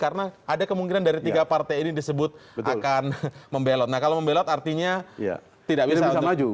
karena ada kemungkinan dari tiga partai ini disebut akan membelot nah kalau membelot artinya tidak bisa maju